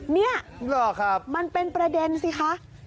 นี่มันเป็นประเด็นสิคะรอครับ